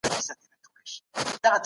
اقتصاد او ټولنه سره نږدې اړیکې لري.